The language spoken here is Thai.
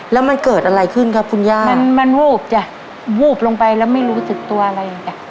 แล้วมันเกิดอะไรขึ้นครับคุณย่ามันมันวูบจ้ะวูบลงไปแล้วไม่รู้สึกตัวอะไรเลยจ้ะ